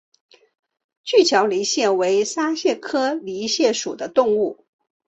锯脚泥蟹为沙蟹科泥蟹属的动物。